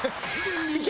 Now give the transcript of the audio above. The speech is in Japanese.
いけ！